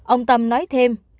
ông tâm nói thêm